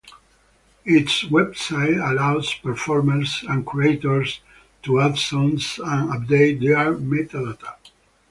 Its website allows performers and curators to add songs and update their metadata.